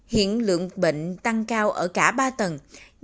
hiện lượng bệnh tăng cao ở cả ba tầng